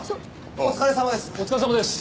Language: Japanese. お疲れさまです。